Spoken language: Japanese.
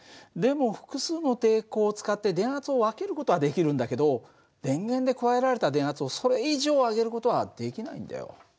でも複数の抵抗を使って電圧を分ける事はできるんだけど電源で加えられた電圧をそれ以上上げる事はできないんだよ。